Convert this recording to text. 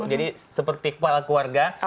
jadi seperti kual keluarga